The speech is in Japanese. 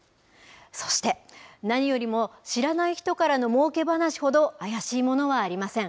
そして、何よりも知らない人からのもうけ話ほど怪しいものはありません。